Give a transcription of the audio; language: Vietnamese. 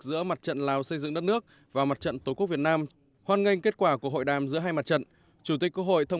giữa mặt trận lào xây dựng đất nước và mặt trận tổ quốc việt nam hoan nghênh kết quả của hội đàm giữa hai mặt trận